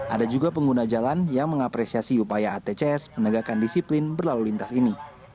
ada juga pengguna jalan yang mengapresiasi upaya atcs penegakan disiplin berlalu lintas ini